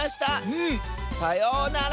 うん！さようなら！